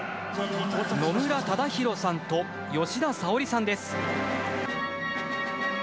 野村忠宏さんと、吉田沙保里さんです。